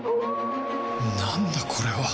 なんだこれは